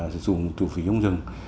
sử dụng thu phí không dừng